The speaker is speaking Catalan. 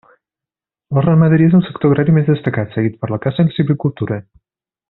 La ramaderia és el sector agrari més destacat, seguit per la caça i la silvicultura.